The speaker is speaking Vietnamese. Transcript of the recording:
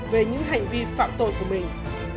về những hành vi phạm tội của mình